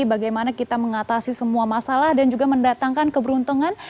bagaimana kita mengatasi semua masalah dan juga mendatangkan keberuntungan